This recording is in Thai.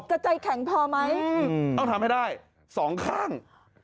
กระจายแข็งพอไหมต้องทำให้ได้๒ข้าง